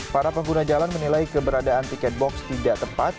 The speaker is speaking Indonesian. para pengguna jalan menilai keberadaan tiket box tidak tepat